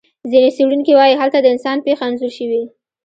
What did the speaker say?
ځینې څېړونکي وایي هلته د انسان پېښه انځور شوې.